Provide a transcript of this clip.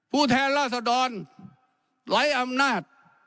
ผู้แทนราษดรไร้อำนาจ